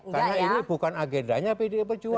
karena ini bukan agendanya pdi perjuangan